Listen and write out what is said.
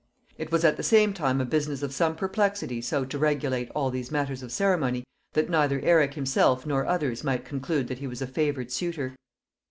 It was at the same time a business of some perplexity so to regulate all these matters of ceremony that neither Eric himself nor others might conclude that he was a favored suitor.